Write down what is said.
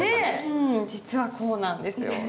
実はこうなんですよ。